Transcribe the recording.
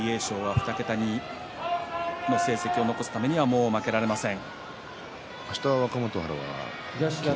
２桁の成績を残すためにはもう負けられません。